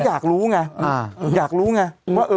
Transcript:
เพราะเขาอยากรู้ไง